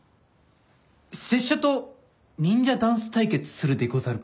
拙者と忍者ダンス対決するでござるか？